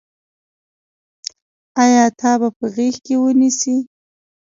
آیا تا به په غېږ کې ونیسي.